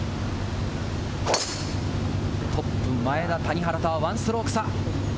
トップ、前田、谷原とは１ストローク差。